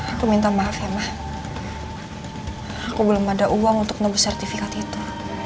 aku minta maaf ya mah aku belum ada uang untuk nebus sertifikat itu